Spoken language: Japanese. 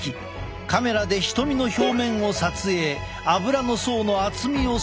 カメラで瞳の表面を撮影アブラの層の厚みを測定する。